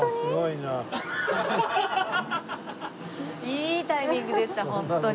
いいタイミングでしたホントに。